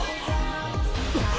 あっ！